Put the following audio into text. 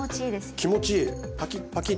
気持ちいいです。